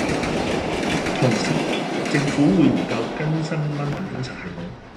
同時，政府會研究更新蚊患監察系統